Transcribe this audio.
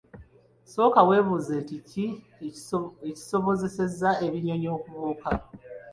Sooka webuuze nti ki ekisobozesa ebinyonyi okubuuka?